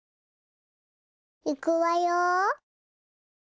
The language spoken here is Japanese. いくわよ。